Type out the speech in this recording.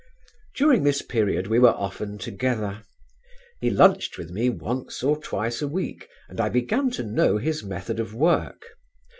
During this period we were often together. He lunched with me once or twice a week and I began to know his method of work.